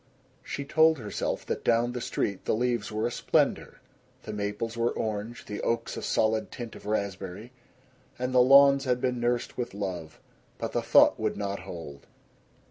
She told herself that down the street the leaves were a splendor. The maples were orange; the oaks a solid tint of raspberry. And the lawns had been nursed with love. But the thought would not hold.